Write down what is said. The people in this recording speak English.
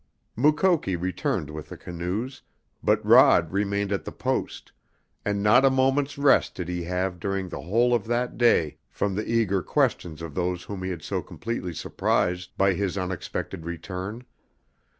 Mukoki returned with the canoes, but Rod remained at the Post, and not a moment's rest did he have during the whole of that day from the eager questions of those whom he had so completely surprised by his unexpected return.